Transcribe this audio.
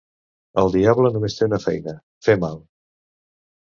El diable només té una feina: fer mal.